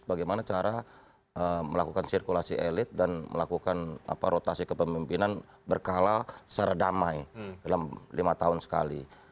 bagaimana cara melakukan sirkulasi elit dan melakukan rotasi kepemimpinan berkala secara damai dalam lima tahun sekali